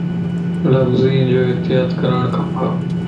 لفظي جو احتياط ڪرڻ کپ